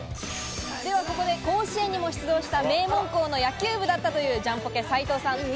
ここで甲子園に出場した名門校の野球部だったというジャンポケ・斉藤さん。